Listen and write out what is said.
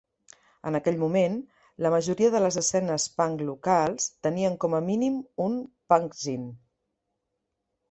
En aquell moment, la majoria de les escenes punk locals tenien com a mínim un "punkzín".